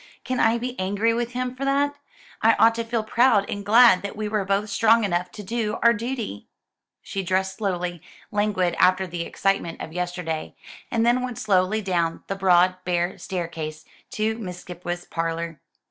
"Can I be angry with him for that? I ought to feel proud and glad that we were both strong enough to do our duty." She dressed slowly, languid after the excitement of yesterday, and then went slowly down the broad bare staircase to Miss Skipwith's parlour.